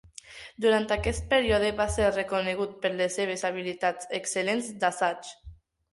Durant aquest període, va ser reconegut per les seves habilitats excel·lents d'assaig.